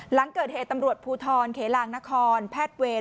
หลังเกิดเหตุตำรวจภูทรเขลางนครแพทย์เวร